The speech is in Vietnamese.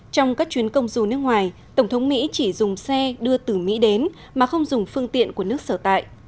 trong các chuyến công du nước ngoài tổng thống mỹ chỉ dùng xe đưa từ mỹ đến mà không dùng phương tiện của nước sở tại